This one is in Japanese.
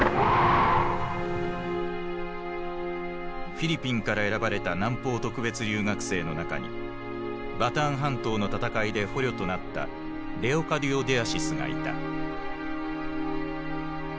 フィリピンから選ばれた南方特別留学生の中にバターン半島の戦いで捕虜となったレオカディオ・デアシスがいた。